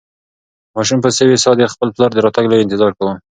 ماشوم په سوې ساه د خپل پلار د راتګ لوی انتظار کاوه.